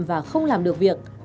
và không làm được việc